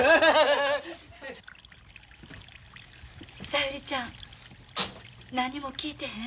小百合ちゃん。何も聞いてへん？